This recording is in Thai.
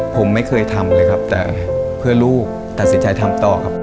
ผมไม่เคยทำเลยครับแต่เพื่อลูกตัดสินใจทำต่อครับ